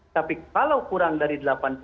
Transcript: tapi kalau kurang dari